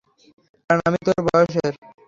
কারণ আমি তোর বয়সের।